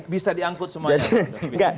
bisa diangkut semuanya